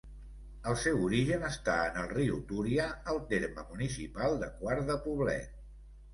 El seu origen està en el riu Túria, al terme municipal de Quart de Poblet.